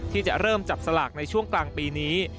ที่จะเริ่มจับสลากในช่วงกลางปีนี้